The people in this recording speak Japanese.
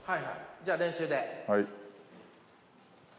じゃあ、練習で。